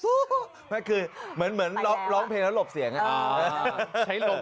สู้สู้ไม่คือเหมือนเหมือนร้องเพลงแล้วหลบเสียงอ่ะเออ